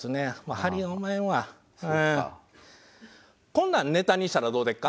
こんなんネタにしたらどうでっか？